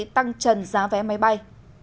tăng trần giá vé máy bay